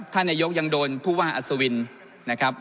ท่านนายกยังโดนผู้ว่าอัศวินนะครับ